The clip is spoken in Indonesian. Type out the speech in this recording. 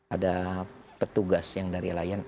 ada petugas yang dari